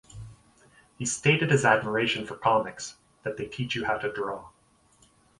He's stated his admiration for comics, that they teach you how to draw.